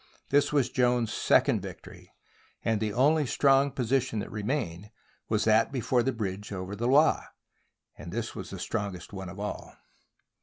This was Joan's second victory, and the only strong position that re mained was that before the bridge over the Loire — and this was the strongest of all.